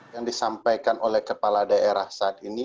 yang disampaikan oleh kepala daerah saat ini